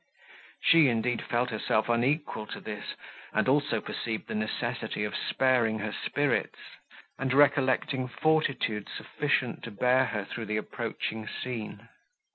She, indeed, felt herself unequal to this, and also perceived the necessity of sparing her spirits, and recollecting fortitude sufficient to bear her through the approaching scene.